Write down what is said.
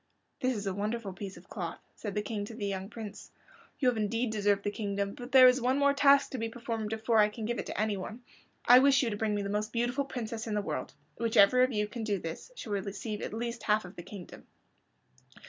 "This is a wonderful piece of cloth," said the King to the young Prince. "You have indeed again deserved the kingdom, but there is one more task to be performed before I can give it to anyone. I wish you to bring to me the most beautiful princess in the world. Whichever of you can do this shall receive at least a half of the kingdom."